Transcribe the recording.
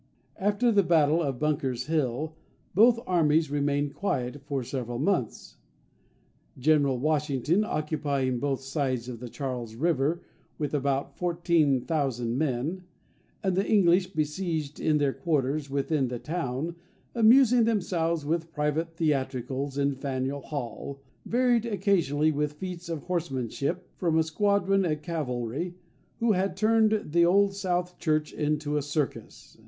After the battle of Bunker's Hill, both armies remained quiet for several months; General Washington occupying both sides of the Charles river with about fourteen thousand men; and the English, besieged in their quarters within the town, amusing themselves with private theatricals in Faneuiel Hall, varied occasionally with feats of horsemanship from a squadron of cavalry, who had turned the old South Church into a circus.